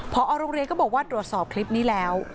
พอโรงเรียนก็บอกว่าตรวจสอบคลิปนี้แล้ว